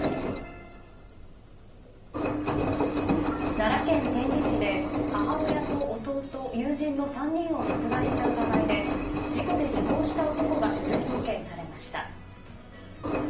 奈良県天理市で母親と弟、友人の３人を殺害した疑いで事故で死亡した男が書類送検されました。